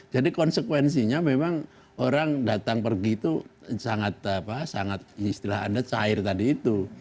jadi konsekuensinya memang orang datang pergi itu sangat apa sangat istilah anda cair tadi itu